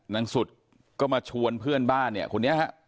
นางสุดก็มาชวนเพื่อนบ้านเนี่ยคนนี้ฮะ